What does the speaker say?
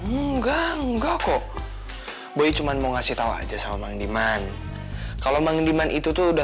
enggak enggak kok gue cuman mau ngasih tahu aja sama niman kalau menghidupkan itu tuh udah